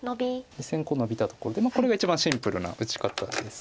実戦ノビたところでこれが一番シンプルな打ち方です。